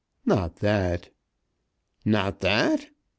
"Not that." "Not that?"